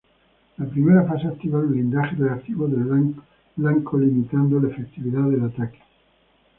La primera fase activa el blindaje reactivo del blanco, limitando la efectividad del ataque.